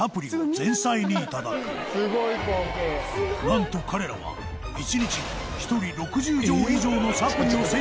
なんと彼らは１日に１人６０錠以上のサプリを摂取する